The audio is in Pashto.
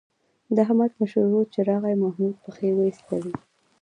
د احمد مشر ورور چې راغی محمود پښې وایستلې.